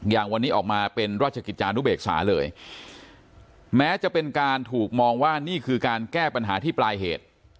อย่างวันนี้ออกมาเป็นราชกิจจานุเบกษาเลยแม้จะเป็นการถูกมองว่านี่คือการแก้ปัญหาที่ปลายเหตุ